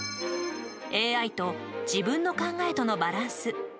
ＡＩと自分の考えとのバランス。